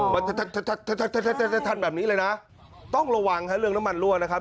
มันทันแบบนี้เลยนะต้องระวังฮะเรื่องน้ำมันรั่วนะครับ